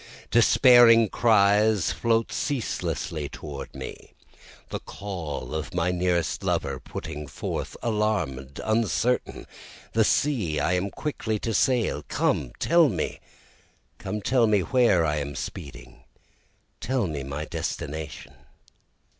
Despairing cries float ceaselessly toward me, The call of my nearest lover, putting forth, alarm'd, uncertain, The sea I am quickly to sail, come tell me, Come tell me where I am speeding, tell me my destination.